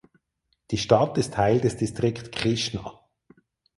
Die Stadt ist Teil des Distrikt Krishna.